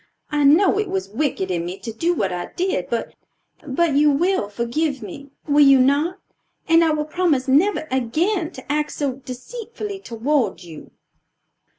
I know it was wicked in me to do what I did, but you will forgive me, will you not? And I will promise never again to act so deceitfully toward you."